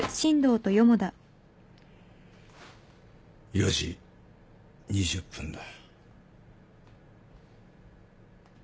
４時２０分だ。